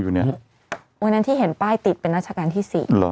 อยู่เนี่ยเมื่อนั้นที่เห็นป้ายติดเป็นนาฬิการที่๔